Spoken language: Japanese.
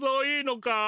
いいのか！？